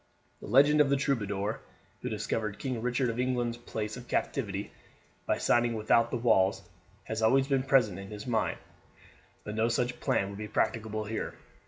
The legend of the troubadour who discovered King Richard of England's place of captivity by singing without the walls had always been present in his mind, but no such plan would be practicable here.